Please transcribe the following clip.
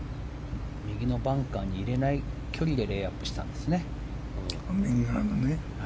右のバンカーに入れない距離でレイアップしたんですね。